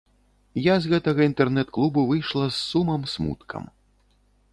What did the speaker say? Я з гэтага інтэрнэт-клубу выйшла з сумам-смуткам.